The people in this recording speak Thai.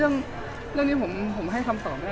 คือเรื่องนี้ผมให้คำตอบนั้น